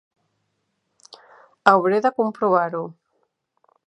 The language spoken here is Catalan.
Hauré de comprovar-ho.